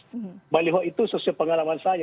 nah baliho itu sesuai pengalaman saya